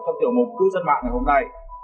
trong tiểu mục cư dân mạng ngày hôm nay